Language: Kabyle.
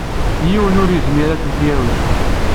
Yiwen ur yezmir ad tent-yawi.